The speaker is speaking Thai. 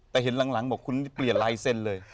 แต่เห็นหลังบอกคุณเปลี่ยนลายเซ็นต์เลย